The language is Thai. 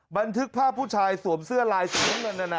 บันทึกภาพผู้ชายสวมเสื้อลายสีน้ำเงิน